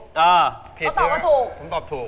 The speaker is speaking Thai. เอ้อพีชเบ้ยผมตอบถูกผมตอบถูก